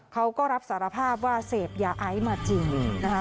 เขาก็รับสารภาพว่าเสพยาไอซ์มาจริงนะคะ